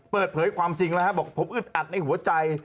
เปิดเผยความจริงแล้วบอกผมอึดอัดในหัวใจ